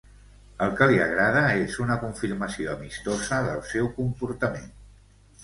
El que li agrada és una confirmació amistosa del seu comportament.